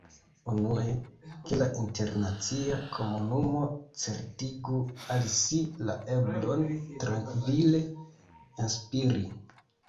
Unue, ke la internacia komunumo certigu al si la eblon trankvile “enspiri.